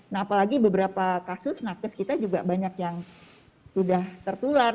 nah apalagi beberapa kasus nakes kita juga banyak yang sudah tertular